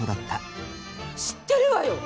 知ってるわよ！